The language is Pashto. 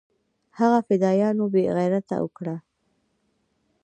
هغه فدايانو بې غيرتي اوکړه.